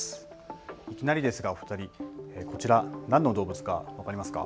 いきなりですがお二人、こちら何の動物か分かりますか。